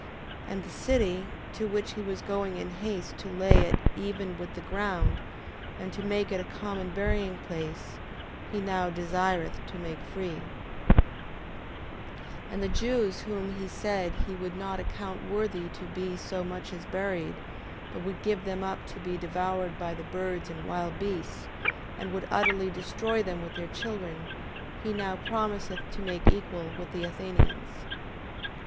9:14. And the city, to which he was going in haste to lay it even with the ground, and to make it a common burying place, he now desireth to make free: 9:15. And the Jews, whom he said he would not account worthy to be so much as buried, but would give them up to be devoured by the birds and wild beasts, and would utterly destroy them with their children, he now promiseth to make equal with the Athenians.